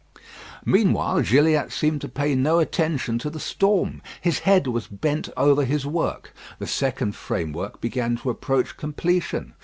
Meanwhile Gilliatt seemed to pay no attention to the storm. His head was bent over his work. The second framework began to approach completion.